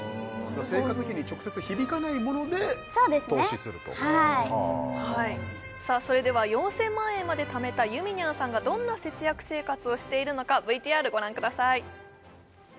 生活費に直接響かないものでそうですねはい投資するとさあそれでは４０００万円までためたゆみにゃんさんがどんな節約生活をしているのかＶＴＲご覧ください